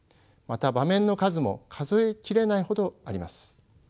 また場面の数も数え切れないほどあります。